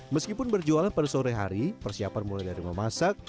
meskipun berjualan pada sore hari persiapan mulai dari memasak